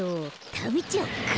たべちゃおうか。